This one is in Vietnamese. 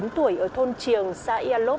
chín tuổi ở thôn trường xã ea lốp